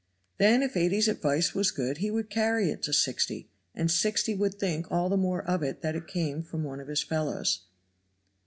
Then if 80's advice was good he would carry it to 60, and 60 would think all the more of it that it came from one of his fellows.